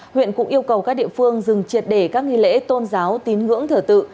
huyện cũng yêu cầu các địa phương dừng triệt để các nghi lễ tôn giáo tín ngưỡng thở tự